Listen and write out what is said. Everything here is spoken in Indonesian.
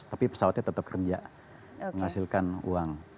tapi pesawatnya tetap kerja menghasilkan uang